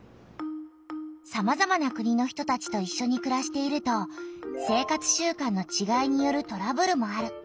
さまざまな国の人たちといっしょにくらしていると生活習慣のちがいによるトラブルもある。